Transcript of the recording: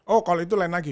oh kalau itu lain lagi